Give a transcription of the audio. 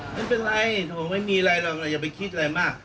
ไม่เป็นไรผมไม่มีอะไรหรอกอย่าไปคิดอะไรมาก